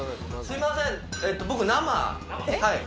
すいません。